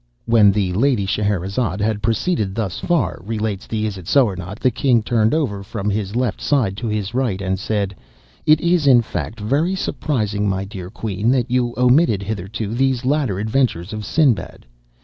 '" When the Lady Scheherazade had proceeded thus far, relates the "Isitsöornot," the king turned over from his left side to his right, and said: "It is, in fact, very surprising, my dear queen, that you omitted, hitherto, these latter adventures of Sinbad.